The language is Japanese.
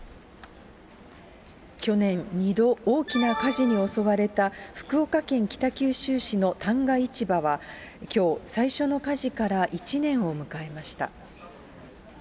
去年、２度大きな火事に襲われた福岡県北九州市の旦過市場はきょう、最初の火事から１年を迎えました。